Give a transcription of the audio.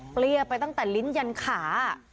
เรียกไปตั้งแต่ลิ้นยันขา